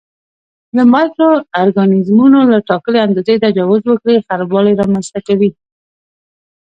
که مایکرو ارګانیزمونه له ټاکلي اندازې تجاوز وکړي خرابوالی رامینځته کوي.